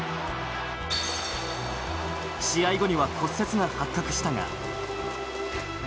試合後には骨折が発覚したが。